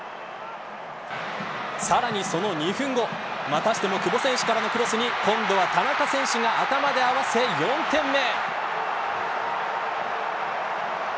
さらにその２分後またしても久保選手からのクロスに今度は田中選手が頭で合わせ４点目。